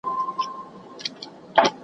د ړندو لښکر نیولي تر لمن یو .